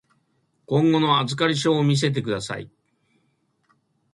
今後の預かり証を見せてください。